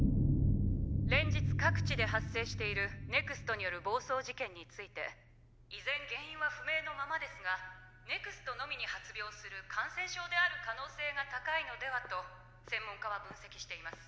「連日各地で発生しているＮＥＸＴによる暴走事件について依然原因は不明のままですがＮＥＸＴのみに発病する感染症である可能性が高いのではと専門家は分析しています。